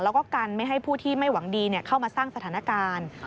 แล้วก็กันไม่ให้ผู้ที่ไม่หวังดีเข้ามาสร้างสถานการณ์